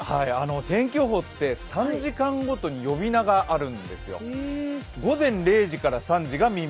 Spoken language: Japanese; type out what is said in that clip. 天気予報って３時間ごとに呼び名があるんですよ。